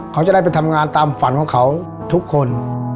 เขาจะได้ไปทำงานตามฝันของเขาทุกคน